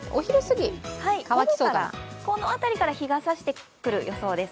午後からこの辺りから日がさしてくる予想です。